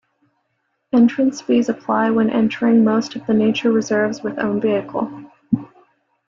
Entrance fees apply when entering most of the nature reserves with own vehicle.